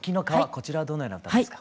こちらはどのような歌ですか？